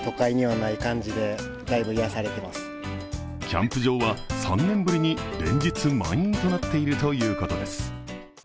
キャンプ場は３年ぶりに連日満員になっているということです。